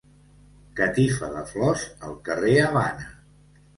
Catifa de flors al carrer Havana.